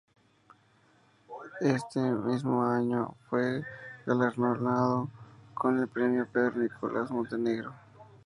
Ese mismo año, fue galardonado con el Premio Pedro Nicolás Montenegro.